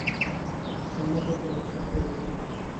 উন্নত টেলিস্কোপ প্রযুক্তি।